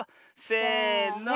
せの。